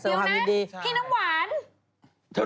ทริปแท็กตัวความยุ่งดีใช่พี่น้ำหวาน